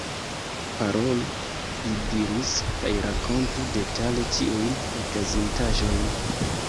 Parolu, li diris, kaj rakontu detale ĉiujn okazintaĵojn.